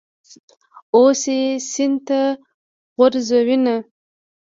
اوس یې سین ته غورځوینه.